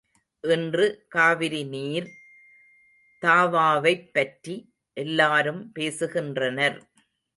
இன்று காவிரி நீர் தாவாவைப் பற்றி எல்லாரும் பேசுகின்றனர்.